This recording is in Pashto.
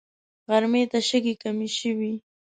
غرمې ته شګې کمې شوې.